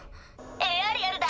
エアリアルだ。